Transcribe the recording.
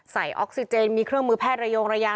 ออกซิเจนมีเครื่องมือแพทย์ระยงระยาง